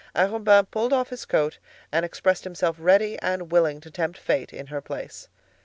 Arobin pulled off his coat, and expressed himself ready and willing to tempt fate in her place.